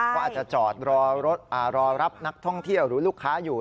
ก็อาจจะจอดรอรับนักท่องเที่ยวหรือลูกค้าอยู่